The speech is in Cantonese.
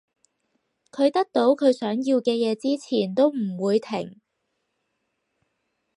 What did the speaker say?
佢得到佢想要嘅嘢之前都唔會停